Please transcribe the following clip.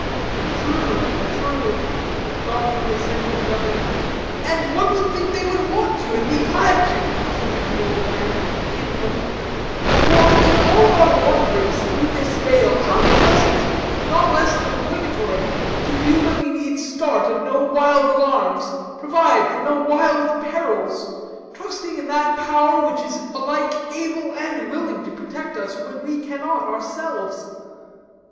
"True, true," thoughtfully assented the other. "And one would think they would want to, and be glad to," continued the old man kindling; "for, in all our wanderings through this vale, how pleasant, not less than obligatory, to feel that we need start at no wild alarms, provide for no wild perils; trusting in that Power which is alike able and willing to protect us when we cannot ourselves."